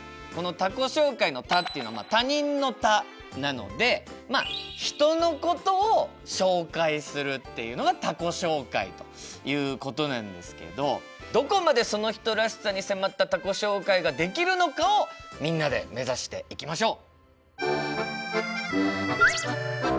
この「他己紹介」の「他」っていうのは「他人」の「他」なのでまあ人のことを紹介するっていうのが他己紹介ということなんですけどどこまでその人らしさに迫った他己紹介ができるのかをみんなで目指していきましょう！